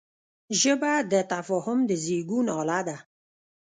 ژبه د تفاهم د زېږون اله ده